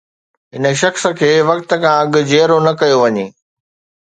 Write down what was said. هن شخص کي وقت کان اڳ جيئرو نه ڪيو وڃي